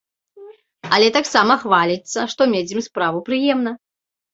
Але таксама хваліцца, што мець з ім справу прыемна.